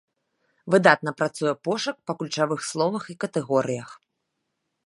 Выдатна працуе пошук па ключавых словах і катэгорыях.